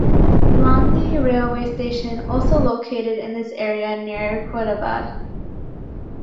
Landhi railway station also located in this area near Quaidabad.